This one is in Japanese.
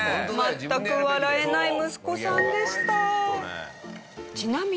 全く笑えない息子さんでした。